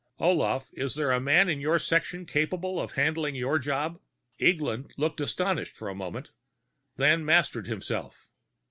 "Olaf, is there a man in your section capable of handling your job?" Eglin looked astonished for a moment, then mastered himself.